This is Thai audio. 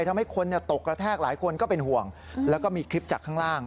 ทำให้คนตกกระแทกหลายคนก็เป็นห่วงแล้วก็มีคลิปจากข้างล่าง